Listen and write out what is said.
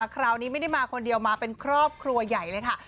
คราวนี้ไม่ได้มาคนเดียวมาเป็นครอบครัวใหญ่เลยค่ะ